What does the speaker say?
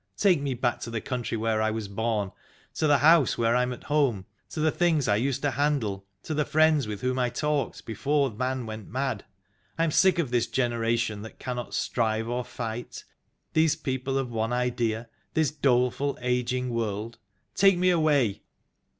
Take me back to the country where I was born, to the house where I am at home, to the things I used to handle, to the friends with whom I talked, before man went mad. I am sick of this generation that cannot strive or fight, these people of one idea, this doleful, ageing world. Take me away